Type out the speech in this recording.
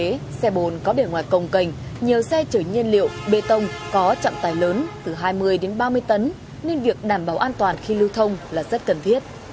các xe bồn có để ngoài cồng cành nhiều xe chở nhiên liệu bê tông có chậm tài lớn từ hai mươi đến ba mươi tấn nên việc đảm bảo an toàn khi lưu thông là rất cần thiết